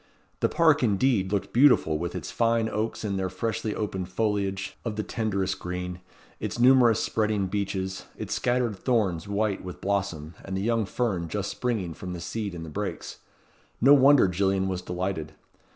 The park, indeed, looked beautiful with its fine oaks in their freshly opened foliage of the tenderest green, its numerous spreading beeches, its scattered thorns white with blossom, and the young fern just springing from the seed in the brakes. No wonder Gillian was delighted.